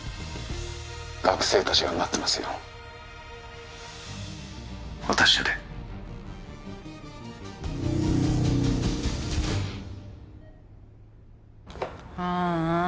学生達が待ってますよお達者でああ